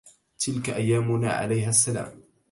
تلك أيامنا عليها السلام